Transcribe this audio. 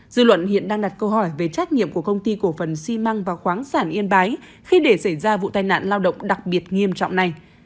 dư luận hiện đang đặt câu hỏi về trách nhiệm của công ty cổ phần xi măng và khoáng sản yên bái khi để xảy ra vụ tai nạn lao động đặc biệt nghiêm trọng này